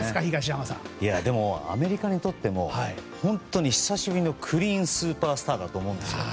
でもアメリカにとっても本当に久しぶりのクリーンスーパースターだと思うんですよ。